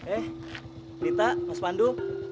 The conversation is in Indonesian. eh dita mas pandu